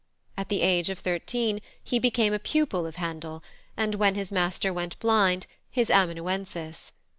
At the age of thirteen he became a pupil of Handel, and, when his master went blind, his amanuensis.